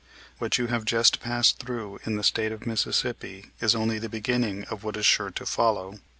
What you have just passed through in the State of Mississippi is only the beginning of what is sure to follow.